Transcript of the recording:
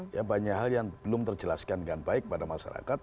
ya banyak hal yang belum terjelaskan dengan baik pada masyarakat